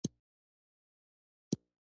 کور د خوندي اوسېدو ځای دی.